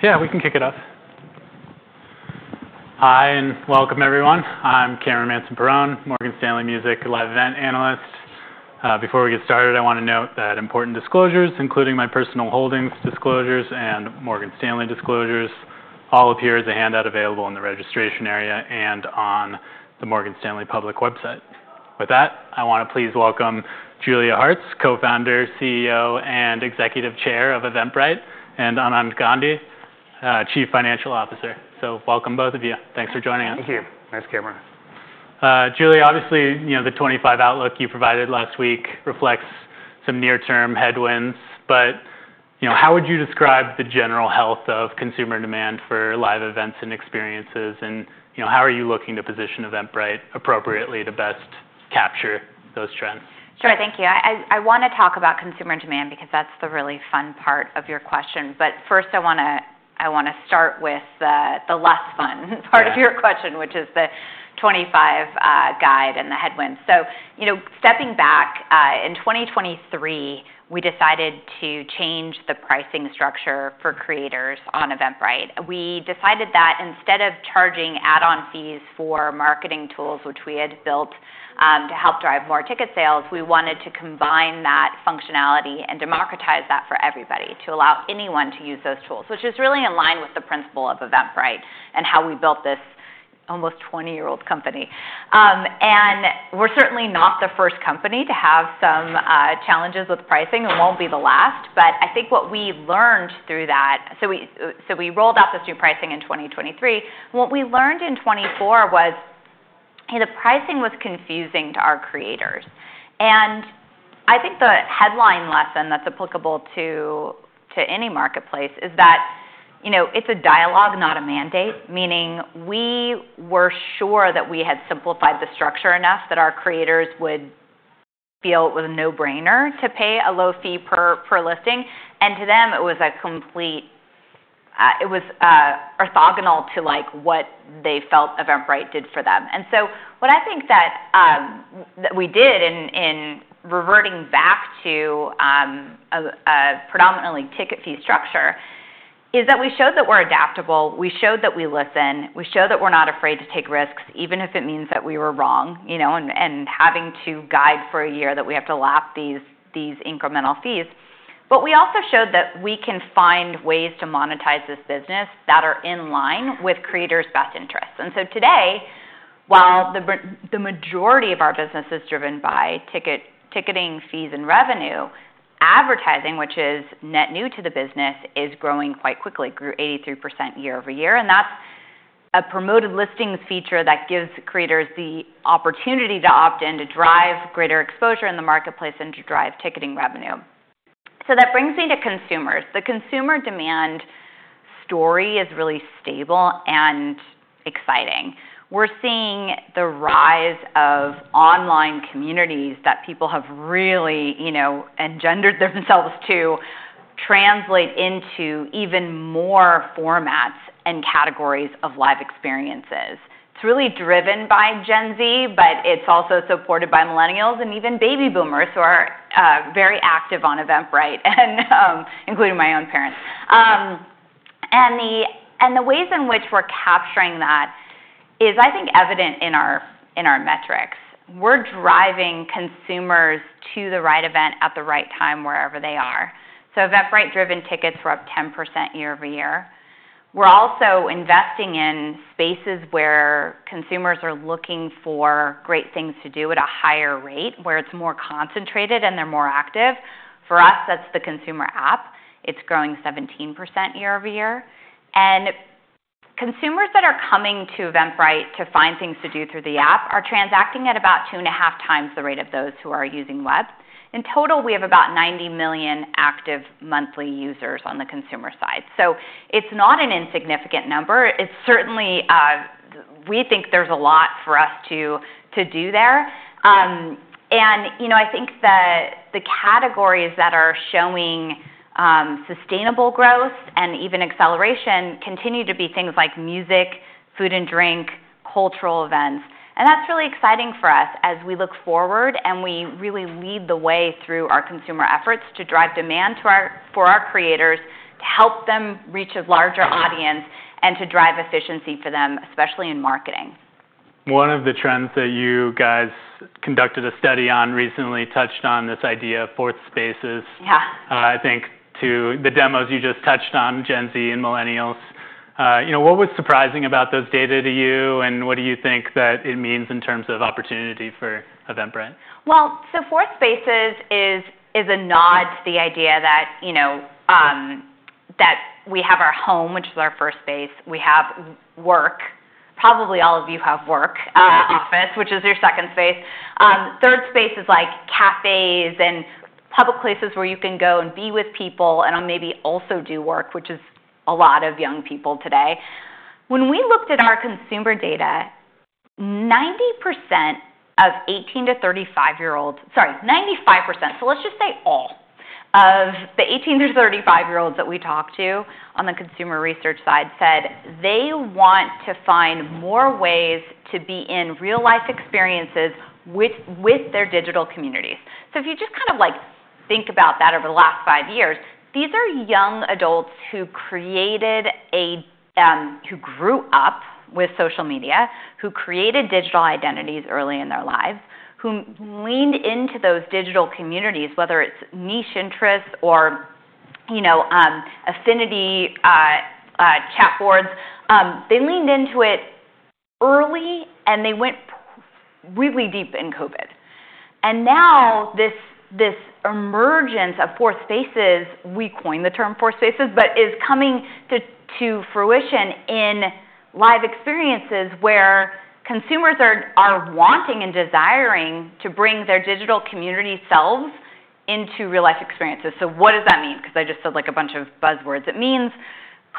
Yeah, we can kick it off. Hi, and welcome, everyone. I'm Cameron Mansson-Perrone, Morgan Stanley Music Live Event Analyst. Before we get started, I want to note that important disclosures, including my personal holdings disclosures and Morgan Stanley disclosures, all appear as a handout available in the registration area and on the Morgan Stanley public website. With that, I want to please welcome Julia Hartz, co-founder, CEO, and executive chair of Eventbrite, and Anand Gandhi, chief financial officer. Welcome, both of you. Thanks for joining us. Thank you. Nice Cameron. Julia, obviously, the 2025 outlook you provided last week reflects some near-term headwinds. How would you describe the general health of consumer demand for live events and experiences? How are you looking to position Eventbrite appropriately to best capture those trends? Sure, thank you. I want to talk about consumer demand because that's the really fun part of your question. First, I want to start with the less fun part of your question, which is the 2025 guide and the headwinds. Stepping back, in 2023, we decided to change the pricing structure for creators on Eventbrite. We decided that instead of charging add-on fees for marketing tools, which we had built to help drive more ticket sales, we wanted to combine that functionality and democratize that for everybody to allow anyone to use those tools, which is really in line with the principle of Eventbrite and how we built this almost 20-year-old company. And we're certainly not the first company to have some challenges with pricing. It won't be the last. I think what we learned through that, we rolled out this new pricing in 2023. What we learned in 2024 was the pricing was confusing to our creators. And I think the headline lesson that's applicable to any marketplace is that it's a dialogue, not a mandate, meaning we were sure that we had simplified the structure enough that our creators would feel it was a no-brainer to pay a low fee per listing. To them, it was orthogonal to what they felt Eventbrite did for them. And so, I think what we did in reverting back to a predominantly ticket fee structure is that we showed that we're adaptable. We showed that we listen, we showed that we're not afraid to take risks, even if it means that we were wrong and having to guide for a year that we have to lap these incremental fees. We also showed that we can find ways to monetize this business that are in line with creators' best interests. Today, while the majority of our business is driven by ticketing fees and revenue, advertising, which is net new to the business, is growing quite quickly, grew 83% year-over-year. That is a promoted listings feature that gives creators the opportunity to opt in to drive greater exposure in the marketplace and to drive ticketing revenue. That brings me to consumers. The consumer demand story is really stable and exciting. We're seeing the rise of online communities that people have really engendered themselves to translate into even more formats and categories of live experiences. It's really driven by Gen Z, but it's also supported by millennials and even baby boomers who are very active on Eventbrite, including my own parents. And the ways in which we're capturing that is, I think, evident in our metrics. We're driving consumers to the right event at the right time, wherever they are. Eventbrite-driven tickets were up 10% year-over-year. We're also investing in spaces where consumers are looking for great things to do at a higher rate, where it's more concentrated and they're more active. For us, that's the consumer app. It's growing 17% year-over-year. And Consumers that are coming to Eventbrite to find things to do through the app are transacting at about 2.5 times the rate of those who are using web. In total, we have about 90 million active monthly users on the consumer side. It's not an insignificant number. We think there's a lot for us to do there. The categories that are showing sustainable growth and even acceleration continue to be things like music, food and drink, cultural events. That is really exciting for us as we look forward and we really lead the way through our consumer efforts to drive demand for our creators, to help them reach a larger audience, and to drive efficiency for them, especially in marketing. One of the trends that you guys conducted a study on recently touched on this idea of fourth spaces, I think, to the demos you just touched on, Gen Z and millennials. What was surprising about those data to you? What do you think that it means in terms of opportunity for Eventbrite? Fourth spaces is a nod to the idea that we have our home, which is our first space. We have work. Probably all of you have work, office, which is your second space. Third space is like cafes and public places where you can go and be with people and maybe also do work, which is a lot of young people today. When we looked at our consumer data, 90% of 18 to 35-year-old, sorry, 95%, so let's just say all of the 18 to 35-year-old that we talked to on the consumer research side said they want to find more ways to be in real-life experiences with their digital communities. So we just kind of think about that over the last five years, these are young adults who grew up with social media, who created digital identities early in their lives, who leaned into those digital communities, whether it's niche interests or, you know, affinity chatboards. They leaned into it early, and they went really deep in COVID. Now this emergence of fourth spaces, we coined the term fourth spaces, but is coming to fruition in live experiences where consumers are wanting and desiring to bring their digital community selves into real-life experiences. What does that mean? Because I just said a bunch of buzzwords. It means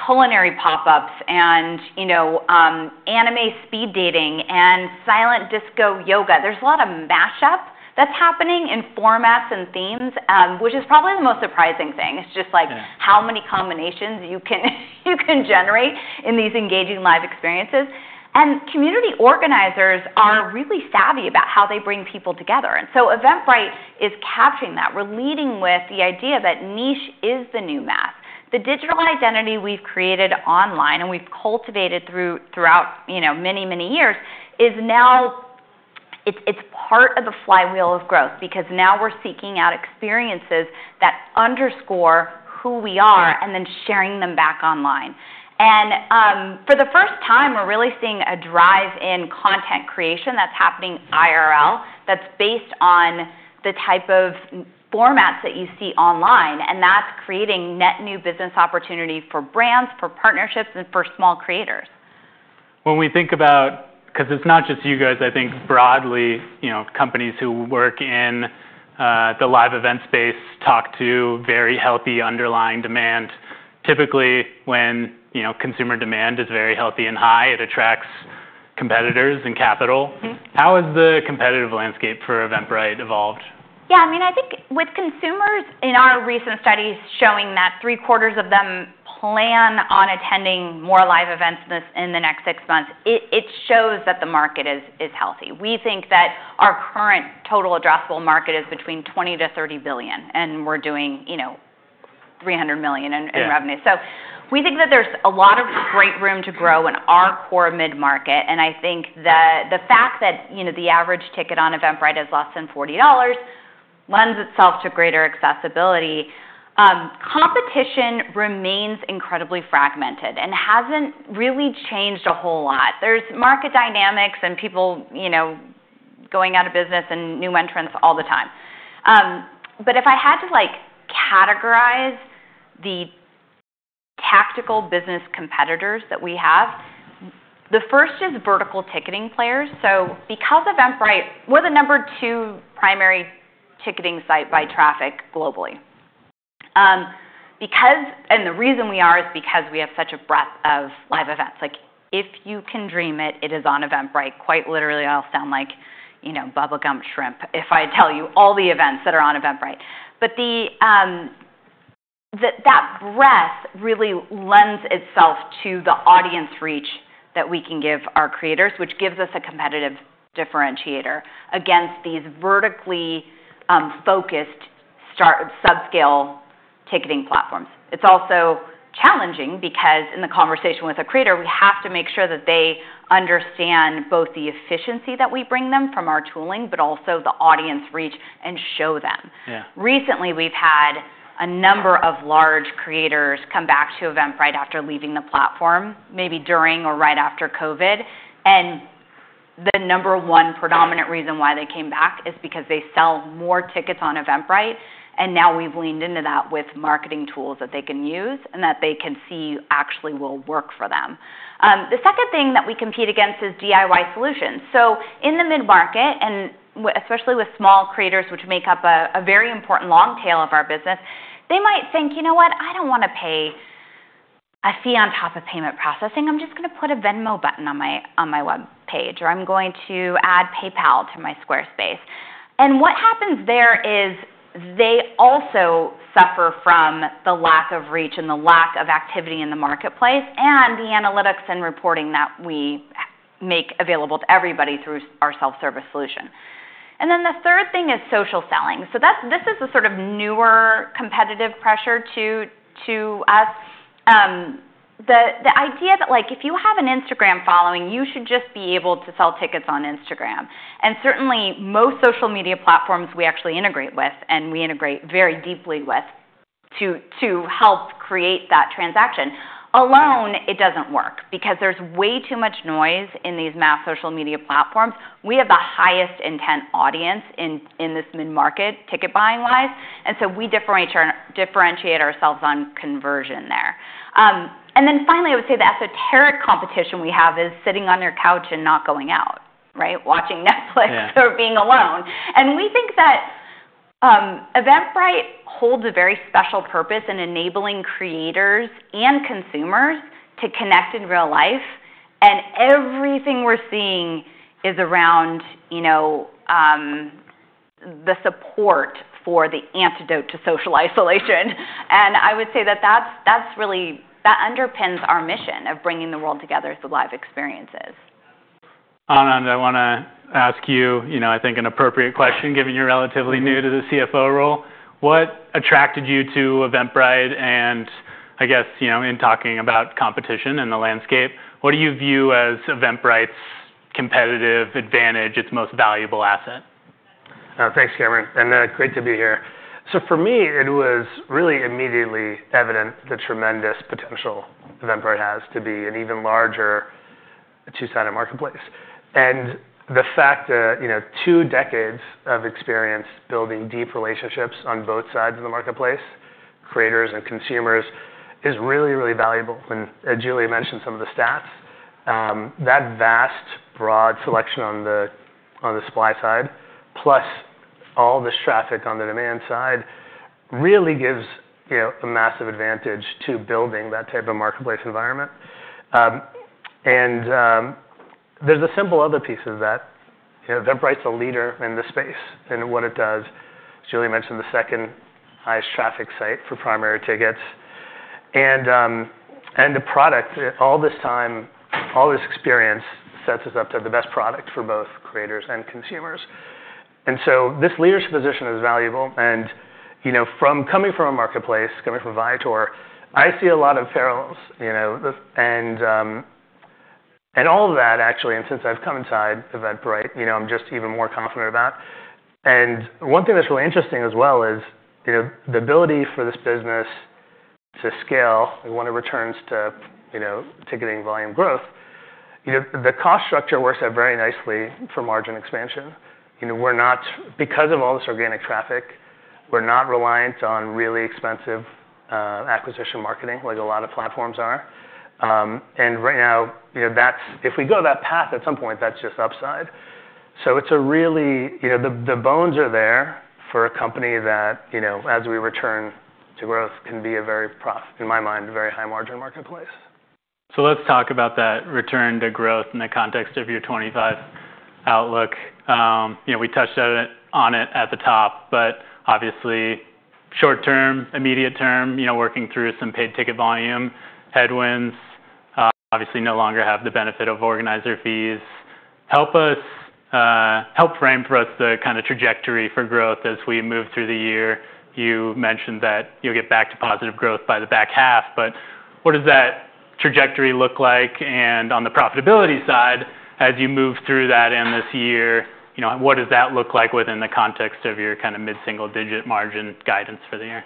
culinary pop-ups and anime speed dating and silent disco yoga. There's a lot of mash-up that's happening in formats and themes, which is probably the most surprising thing. It's just like how many combinations you can generate in these engaging live experiences. And Community organizers are really savvy about how they bring people together. Eventbrite is capturing that. We're leading with the idea that niche is the new mass. The digital identity we've created online and we've cultivated throughout many, many years is now part of the flywheel of growth because now we're seeking out experiences that underscore who we are and then sharing them back online. And for the first time, we're really seeing a drive in content creation that's happening IRL that's based on the type of formats that you see online. That's creating net new business opportunity for brands, for partnerships, and for small creators. When we think about, because it's not just you guys, I think broadly, companies who work in the live event space talk to very healthy underlying demand. Typically, when consumer demand is very healthy and high, it attracts competitors and capital. How has the competitive landscape for Eventbrite evolved? Yeah, I mean, I think with consumers in our recent studies showing that three-quarters of them plan on attending more live events in the next six months, it shows that the market is healthy. We think that our current total addressable market is between $20 billion-$30 billion, and we're doing $300 million in revenue. We think that there's a lot of great room to grow in our core mid-market. I think that the fact that the average ticket on Eventbrite is less than $40 lends itself to greater accessibility. Competition remains incredibly fragmented and hasn't really changed a whole lot. There are market dynamics and people going out of business and new entrants all the time. But if I had to categorize the tactical business competitors that we have, the first is vertical ticketing players. Because Eventbrite, we're the number two primary ticketing site by traffic globally. The reason we are is because we have such a breadth of live events. If you can dream it, it is on Eventbrite. Quite literally, I'll sound like Bubba Gump Shrimp if I tell you all the events that are on Eventbrite. That breadth really lends itself to the audience reach that we can give our creators, which gives us a competitive differentiator against these vertically focused subscale ticketing platforms. It is also challenging because in the conversation with a creator, we have to make sure that they understand both the efficiency that we bring them from our tooling, but also the audience reach and show them. Recently, we've had a number of large creators come back to Eventbrite after leaving the platform, maybe during or right after COVID. The number one predominant reason why they came back is because they sell more tickets on Eventbrite. We have leaned into that with marketing tools that they can use and that they can see actually will work for them. The second thing that we compete against is DIY solutions. In the mid-market, and especially with small creators, which make up a very important long tail of our business, they might think, you know what, I don't want to pay a fee on top of payment processing. I'm just going to put a Venmo button on my web page, or I'm going to add PayPal to my Squarespace. What happens there is they also suffer from the lack of reach and the lack of activity in the marketplace and the analytics and reporting that we make available to everybody through our self-service solution. And the third thing is social selling. so that, this is a sort of newer competitive pressure to us. The idea that if you have an Instagram following, you should just be able to sell tickets on Instagram. And certainly, most social media platforms we actually integrate with and we integrate very deeply with to help create that transaction. Alone, it does not work because there is way too much noise in these mass social media platforms. We have the highest intent audience in this mid-market ticket buying-wise. We differentiate ourselves on conversion there. And then finally, I would say the esoteric competition we have is sitting on your couch and not going out, watching Netflix or being alone. We think that Eventbrite holds a very special purpose in enabling creators and consumers to connect in real life. Everything we are seeing is around the support for the antidote to social isolation. And I would say that that's really that underpins our mission of bringing the world together through live experiences. Anand, I want to ask you, I think, an appropriate question given you're relatively new to the CFO role. What attracted you to Eventbrite? I guess in talking about competition and the landscape, what do you view as Eventbrite's competitive advantage, its most valuable asset? Thanks, Cameron. Great to be here. For me, it was really immediately evident the tremendous potential Eventbrite has to be an even larger two-sided marketplace. The fact that two decades of experience building deep relationships on both sides of the marketplace, creators and consumers, is really, really valuable. Julia mentioned some of the stats. That vast broad selection on the supply side, plus all this traffic on the demand side, really gives a massive advantage to building that type of marketplace environment. And there is a simple other piece of that. Eventbrite's a leader in the space and what it does. Julia mentioned the second highest traffic site for primary tickets. And the product, all this time, all this experience sets us up to have the best product for both creators and consumers. And so this leadership position is valuable. And coming from a marketplace, coming from Viator, I see a lot of parallels. All of that, actually, and since I've come inside Eventbrite, I'm just even more confident about. One thing that's really interesting as well is the ability for this business to scale, one of returns to ticketing volume growth. The cost structure works out very nicely for margin expansion. Because of all this organic traffic, we're not reliant on really expensive acquisition marketing like a lot of platforms are. And we have, if we go that path at some point, that's just upside. It's a really the bones are there for a company that, as we return to growth, can be a very, in my mind, very high margin marketplace. So let's talk about that return to growth in the context of your 2025 outlook. We touched on it at the top, but obviously, short term, immediate term, working through some paid ticket volume headwinds. Obviously, no longer have the benefit of organizer fees. Help frame for us the kind of trajectory for growth as we move through the year. You mentioned that you'll get back to positive growth by the back half. What does that trajectory look like? On the profitability side, as you move through that and this year, what does that look like within the context of your kind of mid-single digit margin guidance for the year?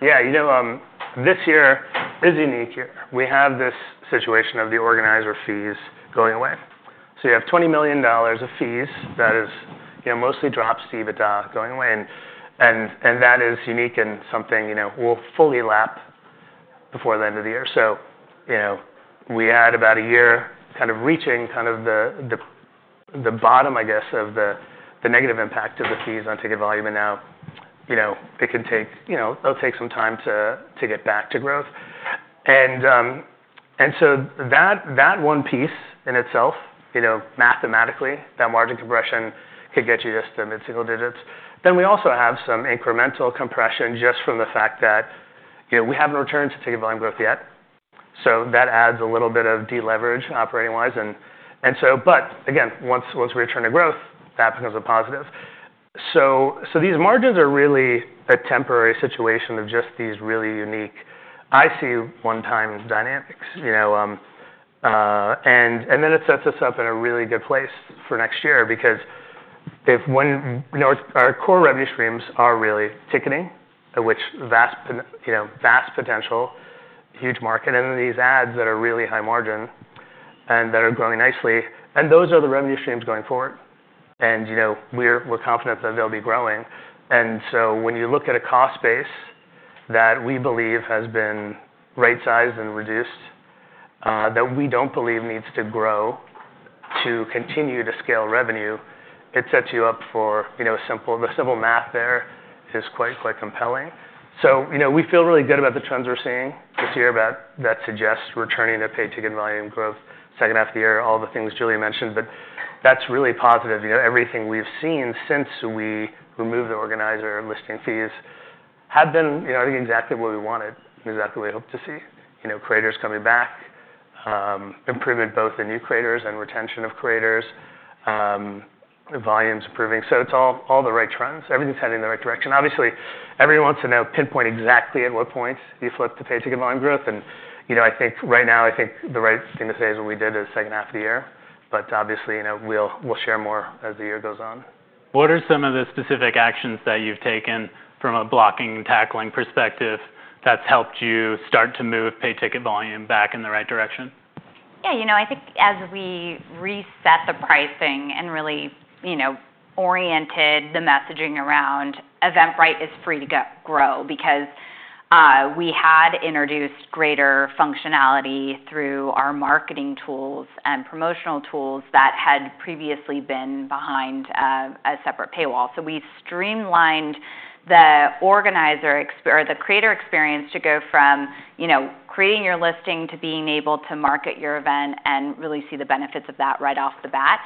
Yeah, you know this year is unique here. We have this situation of the organizer fees going away. So you have $20 million of fees that is mostly drops, dividend going away. And that is unique and something we'll fully lap before the end of the year. So you know, we had about a year kind of reaching kind of the bottom, I guess, of the negative impact of the fees on ticket volume. Now it can take it'll take some time to get back to growth. And so that one piece in itself, mathematically, that margin compression could get you just to mid-single digits. We also have some incremental compression just from the fact that we haven't returned to ticket volume growth yet. That adds a little bit of deleverage operating-wise. Again, once we return to growth, that becomes a positive. So these margins are really a temporary situation of just these really unique, I see one-time dynamics. And it sets us up in a really good place for next year because our core revenue streams are really ticketing, which has vast potential, huge market, and these ads that are really high margin and that are growing nicely. And those are the revenue streams going forward. And we're confident that they'll be growing. And so when you look at a cost base that we believe has been right-sized and reduced, that we don't believe needs to grow to continue to scale revenue, it sets you up for the simple math there is quite compelling. So you know, we feel really good about the trends we're seeing this year that suggest returning to paid ticket volume growth second half of the year, all the things Julia mentioned. That's really positive. Everything we've seen since we removed the organizer listing fees have been exactly what we wanted, exactly what we hope to see. Creators coming back, improving both the new creators and retention of creators, volumes improving. It is all the right trends. Everything's heading in the right direction. Obviously, everyone wants to know, pinpoint exactly at what point you flip to paid ticket volume growth. I think right now, I think the right thing to say is what we did the second half of the year. Obviously, we'll share more as the year goes on. What are some of the specific actions that you've taken from a blocking and tackling perspective that's helped you start to move paid ticket volume back in the right direction? Yeah, you know I think as we reset the pricing and really oriented the messaging around Eventbrite is free to grow because we had introduced greater functionality through our marketing tools and promotional tools that had previously been behind a separate paywall. We streamlined the organizer or the creator experience to go from creating your listing to being able to market your event and really see the benefits of that right off the bat.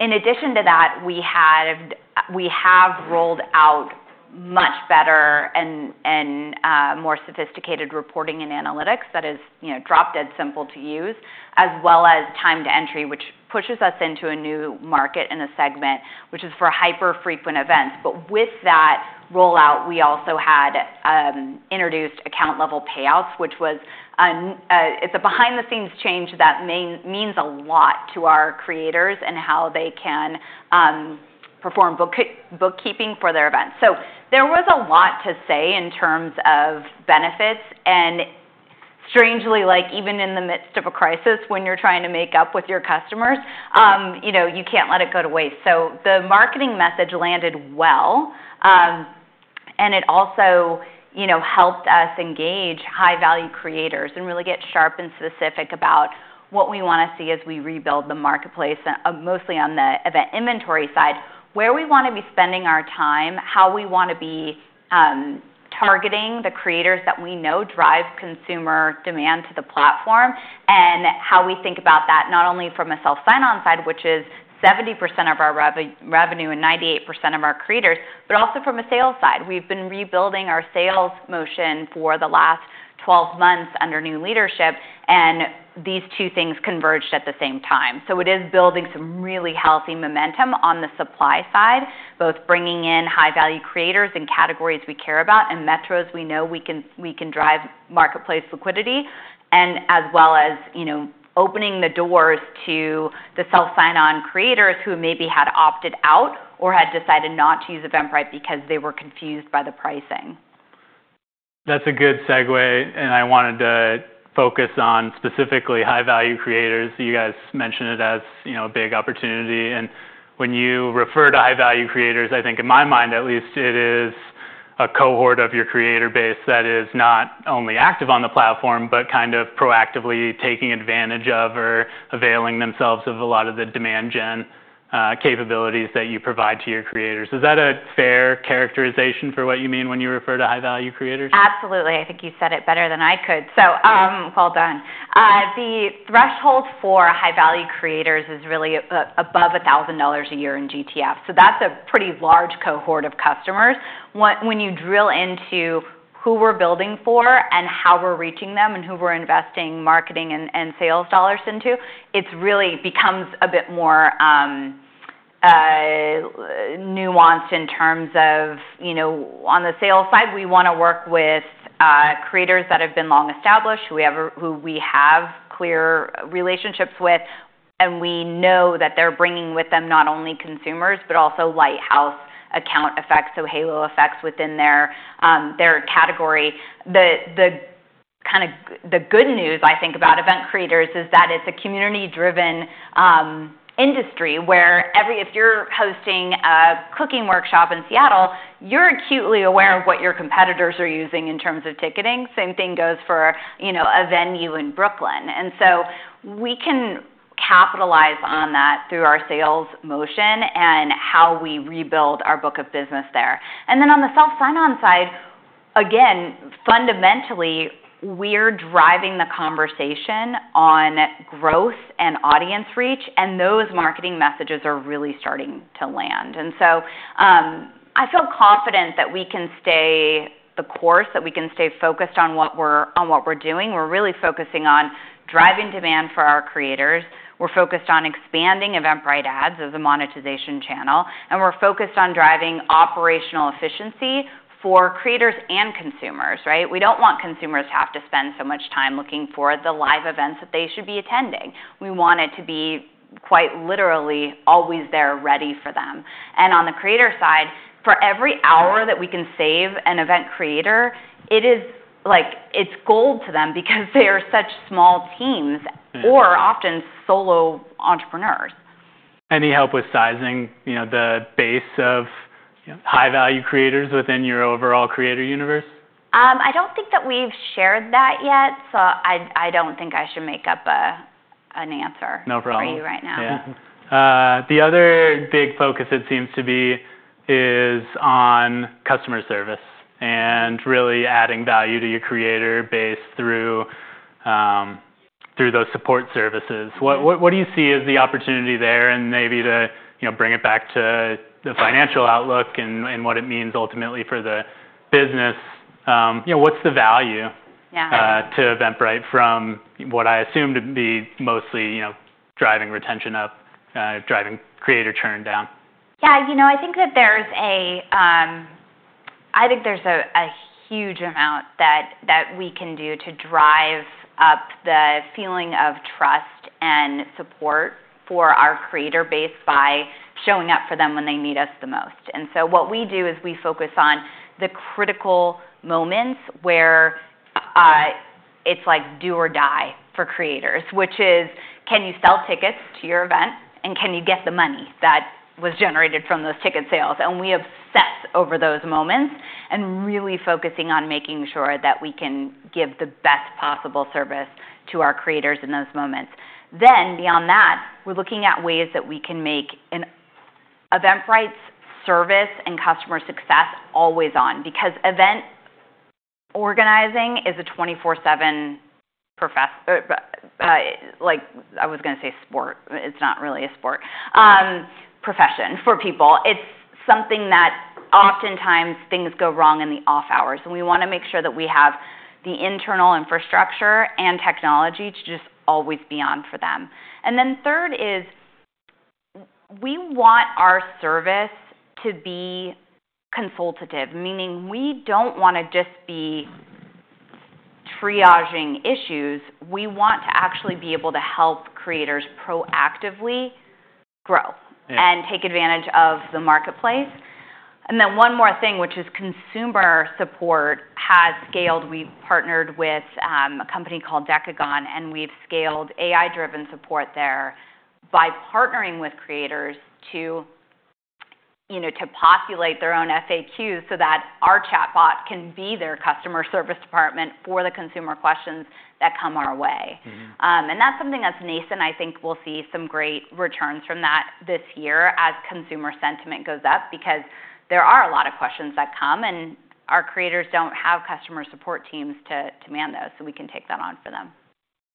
In addition to that, we have rolled out much better and more sophisticated reporting and analytics that is drop-dead simple to use, as well as Timed Entry, which pushes us into a new market and a segment, which is for hyper-frequent events. With that rollout, we also had introduced account-level payouts, which was a behind-the-scenes change that means a lot to our creators and how they can perform bookkeeping for their events. So there was a lot to say in terms of benefits. Strangely, even in the midst of a crisis, when you're trying to make up with your customers, you can't let it go to waste. The marketing message landed well. It also helped us engage high-value creators and really get sharp and specific about what we want to see as we rebuild the marketplace, mostly on the event inventory side, where we want to be spending our time, how we want to be targeting the creators that we know drive consumer demand to the platform, and how we think about that not only from a self-sign-on side, which is 70% of our revenue and 98% of our creators, but also from a sales side. We've been rebuilding our sales motion for the last 12 months under new leadership. And these two things converged at the same time. So it is building some really healthy momentum on the supply side, both bringing in high-value creators and categories we care about and metros we know we can drive marketplace liquidity and as well as you know, opening the doors to the self-sign-on creators who maybe had opted out or had decided not to use Eventbrite because they were confused by the pricing. That's a good segue. I wanted to focus on specifically high-value creators. You guys mentioned it as a big opportunity. When you refer to high-value creators, I think in my mind, at least, it is a cohort of your creator base that is not only active on the platform, but kind of proactively taking advantage of or availing themselves of a lot of the demand gen capabilities that you provide to your creators. Is that a fair characterization for what you mean when you refer to high-value creators? Absolutely. I think you said it better than I could. So well done. The threshold for high-value creators is really above $1,000 a year in GTV. So that is a pretty large cohort of customers. When you drill into who we are building for and how we are reaching them and who we are investing marketing and sales dollars into, it really becomes a bit more nuanced. In terms of on the sales side, we want to work with creators that have been long established, who we have clear relationships with, and we know that they are bringing with them not only consumers, but also lighthouse account effects, so halo effects within their category. The kind of the good news, I think, about event creators is that it is a community-driven industry where if you are hosting a cooking workshop in Seattle, you are acutely aware of what your competitors are using in terms of ticketing. same thing goes for a venue in Brooklyn. And so we can capitalize on that through our sales motion and how we rebuild our book of business there. And then on the self-sign-on side, again, fundamentally, we're driving the conversation on growth and audience reach, and those marketing messages are really starting to land. I feel confident that we can stay the course, that we can stay focused on what we're doing. We're really focusing on driving demand for our creators. We're focused on expanding Eventbrite Ads as a monetization channel. And we're focused on driving operational efficiency for creators and consumers. We don't want consumers to have to spend so much time looking for the live events that they should be attending. We want it to be quite literally always there ready for them. And on the creator side, for every hour that we can save an event creator, it's gold to them because they are such small teams or often solo entrepreneurs. Any help with sizing the base of high-value creators within your overall creator universe? I don't think that we've shared that yet. I don't think I should make up an answer for you right now. No problem. The other big focus, it seems to be, is on customer service and really adding value to your creator base through those support services. What do you see as the opportunity there and maybe to bring it back to the financial outlook and what it means ultimately for the business? What's the value to Eventbrite from what I assume to be mostly driving retention up, driving creator churn down? Yeah, you know I think that there's a huge amount that we can do to drive up the feeling of trust and support for our creator base by showing up for them when they need us the most. What we do is we focus on the critical moments where it's like do or die for creators, which is, can you sell tickets to your event? And can you get the money that was generated from those ticket sales? We obsess over those moments and really focusing on making sure that we can give the best possible service to our creators in those moments. Beyond that, we're looking at ways that we can make Eventbrite's service and customer success always on because event organizing is a 24/7 profession. I was going to say sport. It's not really a sport, profession for people. It's something that oftentimes things go wrong in the off hours. We want to make sure that we have the internal infrastructure and technology to just always be on for them. And then third is we want our service to be consultative, meaning we do not want to just be triaging issues. We want to actually be able to help creators proactively grow and take advantage of the marketplace. And then one more thing, which is consumer support has scaled. We have partnered with a company called Decagon, and we have scaled AI-driven support there by partnering with creators to populate their own FAQs so that our chatbot can be their customer service department for the consumer questions that come our way. That is something that is nascent. I think we'll see some great returns from that this year as consumer sentiment goes up because there are a lot of questions that come, and our creators don't have customer support teams to man those. We can take that on for them.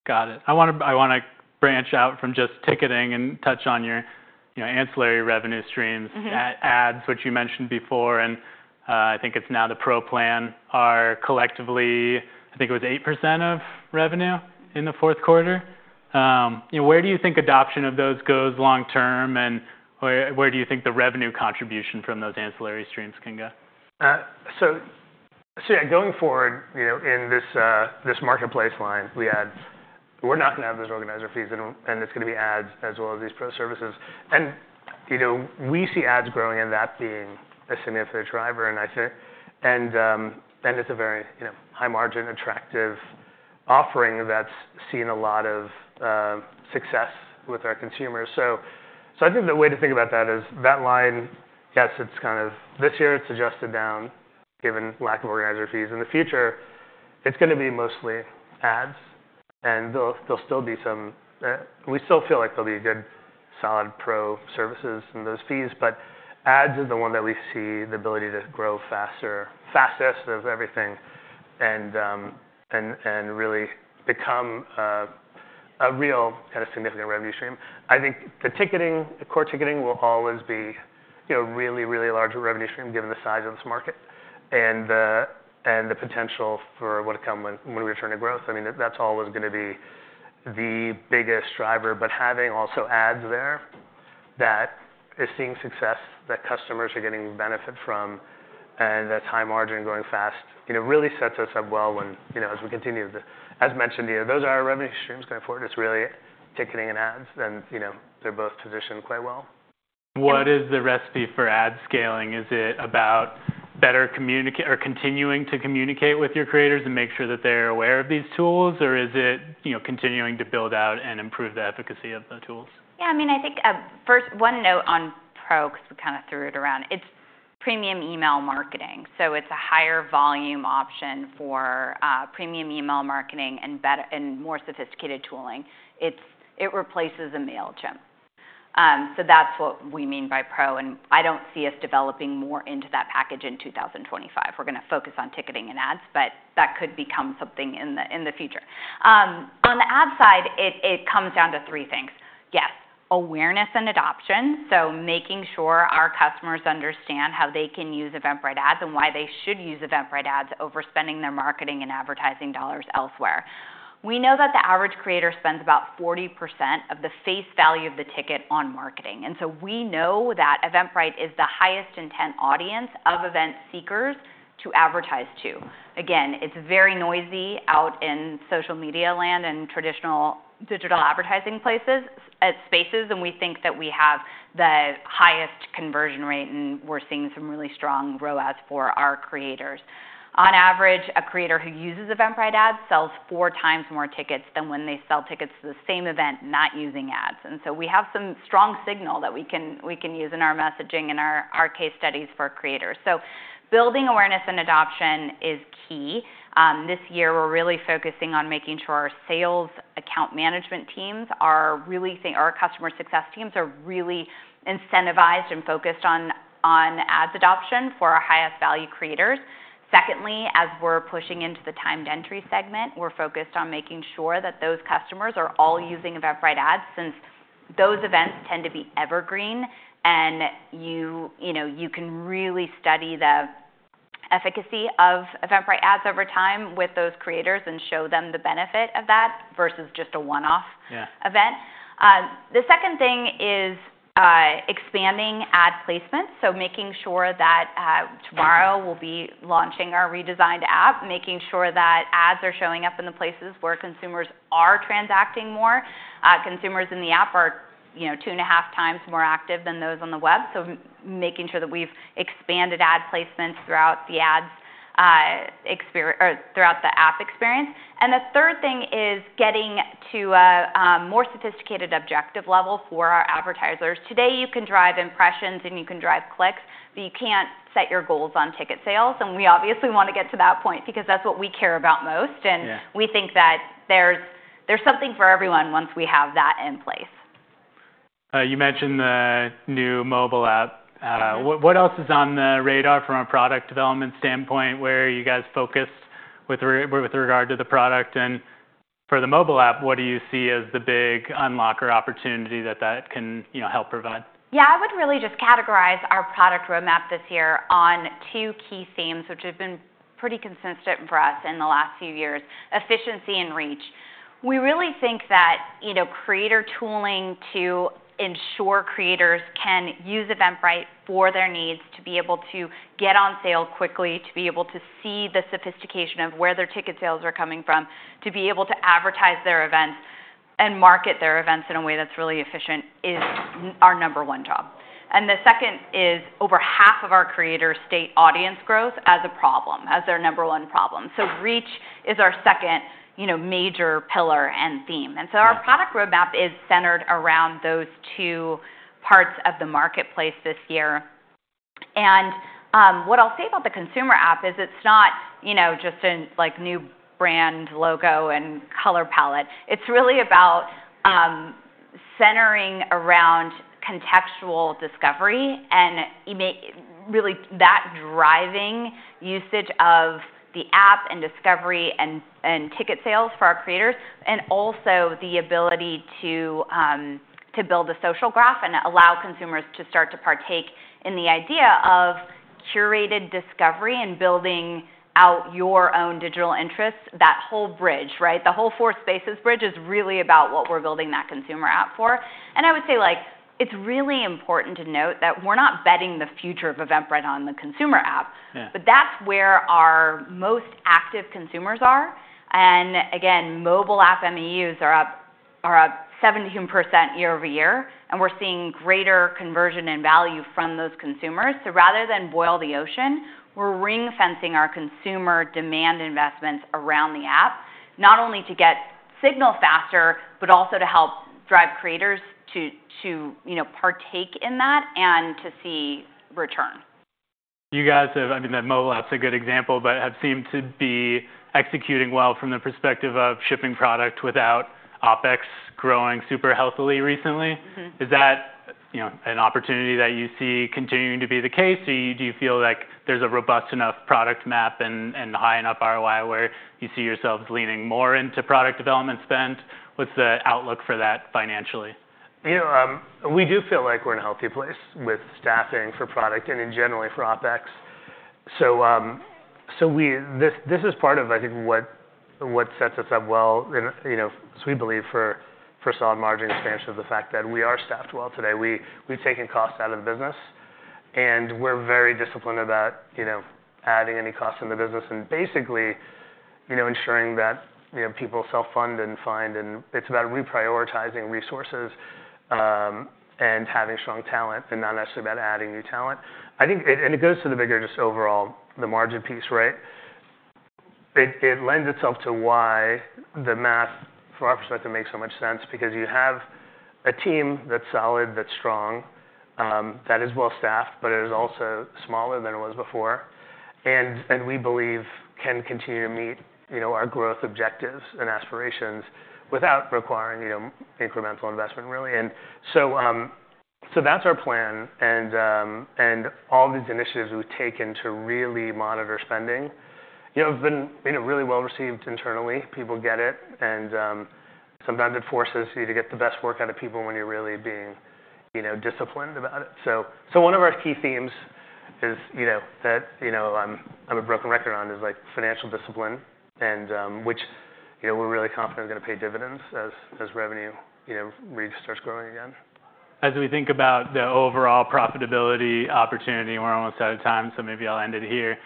Got it. I want to branch out from just ticketing and touch on your ancillary revenue streams, ads, which you mentioned before. I think it's now the Pro plan are collectively, I think it was 8% of revenue in the Q4. Where do you think adoption of those goes long term? Where do you think the revenue contribution from those ancillary streams can go? Yeah, going forward in this marketplace line, we're not going to have those organizer fees, and it's going to be ads as well as these Pro services. We see ads growing and that being a significant driver. And it's a very high-margin, attractive offering that's seen a lot of success with our consumers. So I think the way to think about that is that line, yes, this year, it's adjusted down given lack of organizer fees in the future, it's going to be mostly ads. And there will still be some, we still feel like there will be good, solid Pro services and those fees. But Ads is the one that we see the ability to grow fastest of everything and really become a real kind of significant revenue stream. I think the ticketing, the core ticketing will always be a really, really large revenue stream given the size of this market and the potential for what would come when we return to growth. I mean, that's always going to be the biggest driver. But having also ads there that is seeing success, that customers are getting benefit from, and that's high margin going fast really sets us up well as we continue. As mentioned, those are our revenue streams going forward. It's really ticketing and ads. They're both positioned quite well. What is the recipe for ad scaling? Is it about better communicating or continuing to communicate with your creators and make sure that they're aware of these tools? Is it continuing to build out and improve the efficacy of the tools? Yeah, I mean, I think first, one note on Pro because we kind of threw it around. It's premium email marketing. So it's a higher volume option for premium email marketing and more sophisticated tooling. It replaces the Mailchimp. So that's what we mean by Pro. I don't see us developing more into that package in 2025. We're going to focus on ticketing and ads, but that could become something in the future. On the ad side, it comes down to three things. Yes, awareness and adoption. Making sure our customers understand how they can use Eventbrite Ads and why they should use Eventbrite Ads over spending their marketing and advertising dollars elsewhere. We know that the average creator spends about 40% of the face value of the ticket on marketing. And so we know that Eventbrite is the highest intent audience of event seekers to advertise to. Again, it's very noisy out in social media land and traditional digital advertising spaces. We think that we have the highest conversion rate, and we're seeing some really strong ROAS for our creators. On average, a creator who uses Eventbrite Ads sells four times more tickets than when they sell tickets to the same event not using ads. And so we have some strong signal that we can use in our messaging and our case studies for creators. So building awareness and adoption is key. This year, we're really focusing on making sure our sales account management teams, our customer success teams, are really incentivized and focused on ads adoption for our highest value creators. Secondly, as we're pushing into the timed entry segment, we're focused on making sure that those customers are all using Eventbrite Ads since those events tend to be evergreen. And you know, you can really study the efficacy of Eventbrite Ads over time with those creators and show them the benefit of that versus just a one-off event. The second thing is expanding ad placements. So making sure that tomorrow we'll be launching our redesigned app, making sure that ads are showing up in the places where consumers are transacting more. Consumers in the app are two and a half times more active than those on the web. Making sure that we've expanded ad placements throughout the ads experience or throughout the app experience. And the third thing is getting to a more sophisticated objective level for our advertisers. Today, you can drive impressions and you can drive clicks, but you can't set your goals on ticket sales. And we obviously want to get to that point because that's what we care about most. We think that there's something for everyone once we have that in place. You mentioned the new mobile app. What else is on the radar from a product development standpoint where you guys focused with regard to the product? For the mobile app, what do you see as the big unlocker opportunity that that can help provide? Yeah, I would really just categorize our product roadmap this year on two key themes, which have been pretty consistent for us in the last few years: efficiency and reach. We really think that creator tooling to ensure creators can use Eventbrite for their needs to be able to get on sale quickly, to be able to see the sophistication of where their ticket sales are coming from, to be able to advertise their events and market their events in a way that's really efficient is our number one job. And the second is over half of our creators state audience growth as a problem, as their number one problem. So reach is our second major pillar and theme. And so our product roadmap is centered around those two parts of the marketplace this year. What I'll say about the consumer app is it's not just a new brand logo and color palette. It's really about centering around contextual discovery and really that driving usage of the app and discovery and ticket sales for our creators, and also the ability to build a social graph and allow consumers to start to partake in the idea of curated discovery and building out your own digital interests, that whole bridge, right? The whole Fourth Spaces bridge is really about what we're building that consumer app for. And I would say it's really important to note that we're not betting the future of Eventbrite on the consumer app, but that's where our most active consumers are. And again, mobile app MAUs are up 17% year-over-year. We're seeing greater conversion and value from those consumers. Rather than boil the ocean, we're ring-fencing our consumer demand investments around the app, not only to get signal faster, but also to help drive creators to partake in that and to see return. You guys have, I mean, the mobile app's a good example, but have seemed to be executing well from the perspective of shipping product without OpEx growing super healthily recently. Is that an opportunity that you see continuing to be the case? Or do you feel like there's a robust enough product map and high enough ROI where you see yourselves leaning more into product development spend? What's the outlook for that financially? We do feel like we're in a healthy place with staffing for product and in general for OpEx. This is part of, I think, what sets us up well. We believe for solid margin expansion is the fact that we are staffed well today. We've taken costs out of the business. We're very disciplined about adding any costs in the business and basically ensuring that people self-fund and find. It's about reprioritizing resources and having strong talent and not necessarily about adding new talent. It goes to the bigger just overall, the margin piece, right? It lends itself to why the math, from our perspective, makes so much sense because you have a team that's solid, that's strong, that is well staffed, but it is also smaller than it was before. And we believe we can continue to meet our growth objectives and aspirations without requiring incremental investment, really. So that's our plan. And all these initiatives we have taken to really monitor spending have been really well received internally. People get it. And sometimes it forces you to get the best work out of people when you are really being disciplined about it. So one of our key themes that I am a broken record on is financial discipline, which we are really confident is going to pay dividends as revenue reach starts growing again. As we think about the overall profitability opportunity, we're almost out of time. Maybe I'll end it here.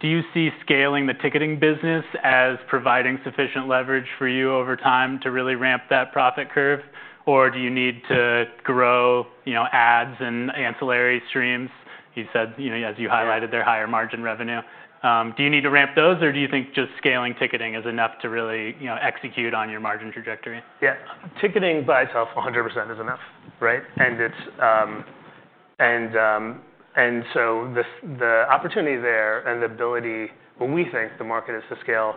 Do you see scaling the ticketing business as providing sufficient leverage for you over time to really ramp that profit curve? Do you need to grow ads and ancillary streams? You said, as you highlighted, they're higher margin revenue. Do you need to ramp those, or do you think just scaling ticketing is enough to really execute on your margin trajectory? Yeah, ticketing by itself 100% is enough, right? And so the opportunity there and the ability, what we think the market is to scale,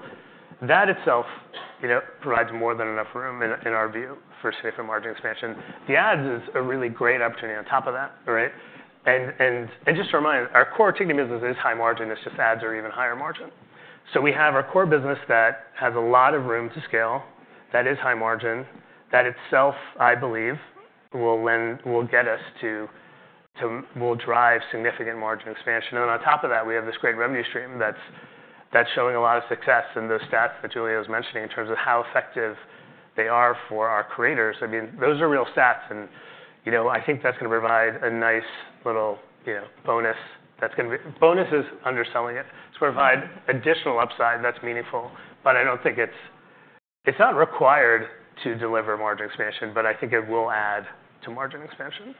that itself provides more than enough room in our view for safer margin expansion. The ads is a really great opportunity on top of that, right? And just to remind, our core ticketing business is high margin. It's just ads are even higher margin. So we have our core business that has a lot of room to scale that is high margin, that itself, I believe, when will get us to will drive significant margin expansion. On top of that, we have this great revenue stream that's showing a lot of success in those stats that Julia was mentioning in terms of how effective they are for our creators. those are real stats. You know, I think that's going to provide a nice little bonus. Bonus is underselling it. It's going to provide additional upside that's meaningful. But I don't think it's required to deliver margin expansion, but I think it will add to margin expansion.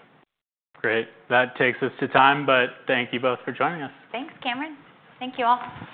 Great. That takes us to time, but thank you both for joining us. Thanks, Cameron. Thank you all.